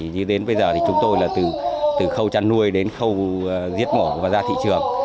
như đến bây giờ thì chúng tôi là từ khâu chăn nuôi đến khâu giết mỏ và ra thị trường